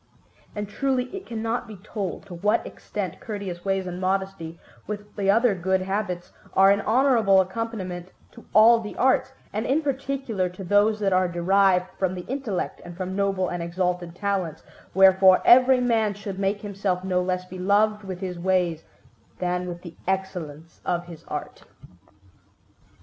And truly it cannot be told to what extent courteous ways and modesty, with the other good habits, are an honourable accompaniment to all the arts, and in particular to those that are derived from the intellect and from noble and exalted talents; wherefore every man should make himself no less beloved with his ways than with the excellence of his art.